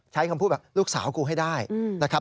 ใช้คำพูดแบบลูกสาวกูให้ได้นะครับ